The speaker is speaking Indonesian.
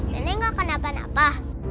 nenek gak kenapa napa